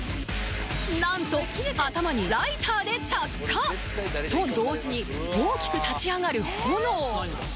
なんと頭にライターで着火！と同時に大きく立ち上がる炎！